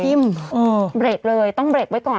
ปล่อยทิ้มเออเตรนใจเลยต้องเปิดไว้ก่อน